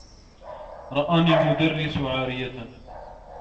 رآني المدرّس عارية.